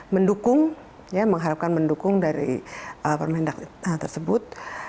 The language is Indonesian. mendukung ya mengharapkan mendukung dari permendak tersebut